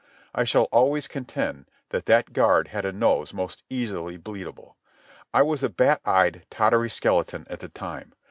I shall always contend that that guard had a nose most easily bleedable. I was a bat eyed, tottery skeleton at the time.